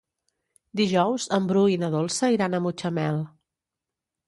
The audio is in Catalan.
Dijous en Bru i na Dolça iran a Mutxamel.